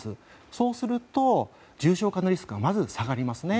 そうすると、重症化のリスクがまず下がりますね。